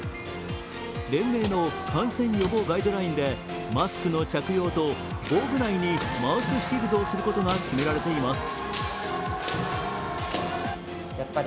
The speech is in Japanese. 連盟の感染予防ガイドラインでマスクの着用と防具内にマウスシールドをすることが決められています。